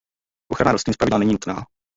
Ochrana rostlin zpravidla není nutná.